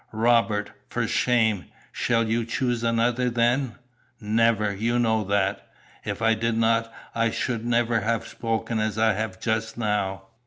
"Robert, for shame. Shall you 'choose another' then?" "Never! You know that!" "If I did not I should never have spoken as I have just now."